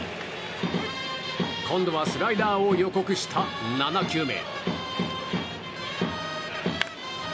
今度はスライダーを予告した７球目。